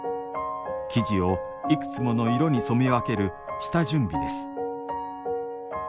生地をいくつもの色に染め分ける下準備です